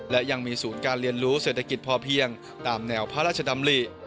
และยังมีศูนย์การเรียนรู้เศรษฐกิจพอเพียงตามแนวพระราชดำริ